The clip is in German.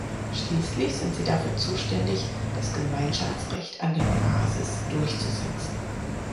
Schließlich sind sie dafür zuständig, das Gemeinschaftsrecht an der Basis durchzusetzen.